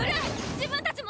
自分たちも！